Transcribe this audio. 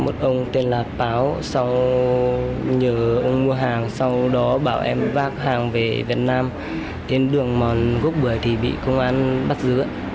từ ông mua hàng sau đó bảo em vác hàng về việt nam đến đường mòn gốc bưởi thì bị công an bắt giữ